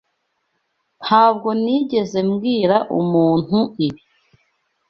Ntabwo nigeze mbwira umuntu ibi.